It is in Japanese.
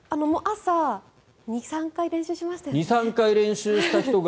朝２３回練習しましたよね。